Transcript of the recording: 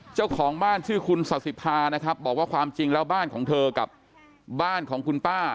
เจ้าของบ้านชื่อคุณสาธิภานะครับบอกว่าความจริงแล้วบ้านของเธอกับบ้านของคุณป้า